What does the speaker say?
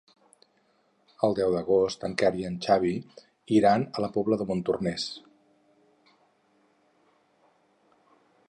El deu d'agost en Quer i en Xavi iran a la Pobla de Montornès.